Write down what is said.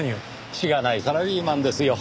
しがないサラリーマンですよ。